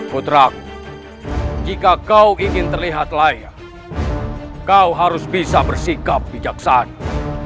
putraku jika kau ingin terlihat layak kau harus bisa bersikap bijaksana